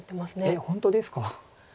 えっ本当ですか？